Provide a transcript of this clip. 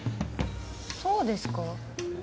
そうですか？